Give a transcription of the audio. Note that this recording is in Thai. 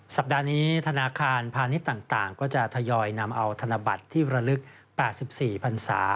สัปดาห์นี้ธนาคารพาณิชย์ต่างก็จะทยอยนำเอาธนบัตรที่ระลึก๘๔พันศา